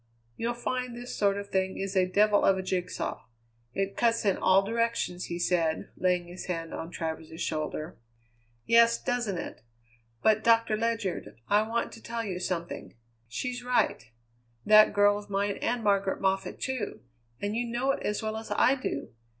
"You'll find this sort of thing is a devil of a jigsaw. It cuts in all directions," he said, laying his hand on Travers's shoulder. "Yes, doesn't it? But, Doctor Ledyard, I want to tell you something. She's right that girl of mine, and Margaret Moffatt, too and you know it as well as I do!